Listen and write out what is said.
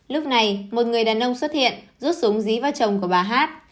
lúc này một người đàn ông xuất hiện rút súng dí vào chồng của bà hát